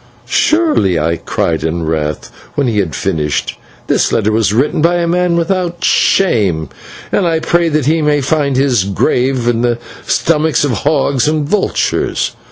"Surely," I cried in wrath, when he had finished, "this letter was written by a man without shame, and I pray that he may find his grave in the stomachs of hogs and vultures!"